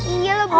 iya lah bulet